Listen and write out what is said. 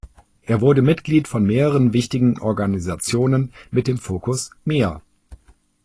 Er wurde Mitglied von mehreren wichtigen Organisationen mit dem Fokus Meer.